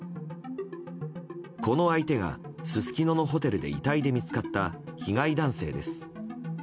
この相手がすすきののホテルで遺体で見つかった被害男性です。